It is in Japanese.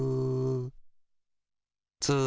ツー。